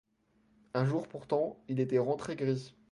Un jour pourtant, il était rentré gris.